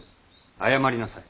謝りなさい。